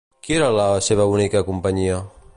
Qui era la seva única companyia?